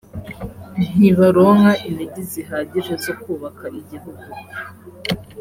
ntibaronka intege zihagije zo kubaka igihugu